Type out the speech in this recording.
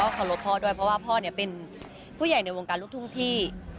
เคารพพ่อด้วยเพราะว่าพ่อเนี่ยเป็นผู้ใหญ่ในวงการลูกทุ่งที่